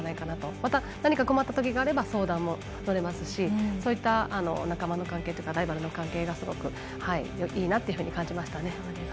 また何か困ったことがあれば相談も乗れますし、そういった仲間の関係というかライバルの関係がすごくいいなと感じました。